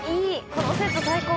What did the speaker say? このセット最高！